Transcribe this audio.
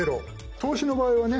投資の場合はね